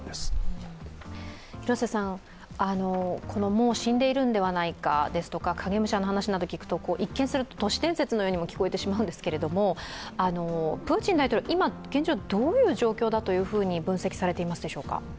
もう死んでいるのではないかですとか影武者の話を聞くと一見すると都市伝説のようにも聞こえてしまうんですけれども、プーチン大統領、現状どういう状況だと分析されていますか。